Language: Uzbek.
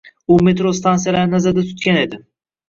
U metro stansiyalarini nazarda tutgan edi.